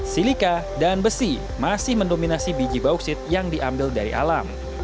silika dan besi masih mendominasi biji bauksit yang diambil dari alam